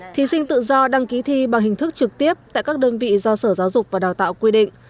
thí sinh tự do đăng ký thi bằng hình thức trực tiếp tại các đơn vị do sở giáo dục và đào tạo quy định